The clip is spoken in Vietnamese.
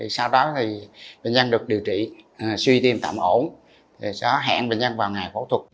sau đó bệnh nhân được điều trị suy tim tạm ổn sẽ hẹn bệnh nhân vào ngày phẫu thuật